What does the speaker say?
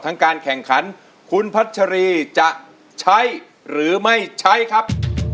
การแข่งขันคุณพัชรีจะใช้หรือไม่ใช้ครับ